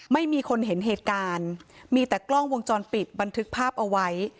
ไม่มีคนเห็นเหตุการณ์มีแต่กล้องวงจรปิดบันทึกภาพเอาไว้